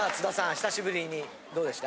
久しぶりにどうでした？